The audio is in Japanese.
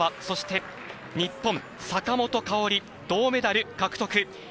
そして日本、坂本花織銅メダル獲得。